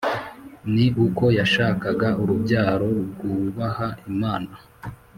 Ni uko yashakaga urubyaro rwubaha Imana